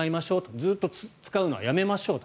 ずっと使うのはやめましょうと。